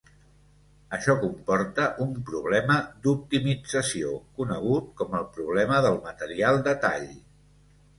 Això comporta un problema d'optimització, conegut com el problema del material de tall.